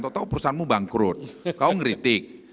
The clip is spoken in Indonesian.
tau tau perusahaanmu bangkrut kau ngeritik